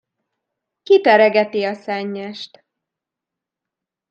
Kiteregeti a szennyest.